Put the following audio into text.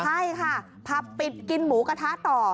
ใช่ค่ะผับปิดกินหมูกระทะต่อ